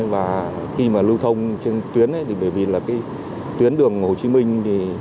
và khi mà lưu thông trên tuyến bởi vì tuyến đường hồ chí minh